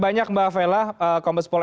banyak mbak vela kompes pola